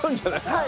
はい！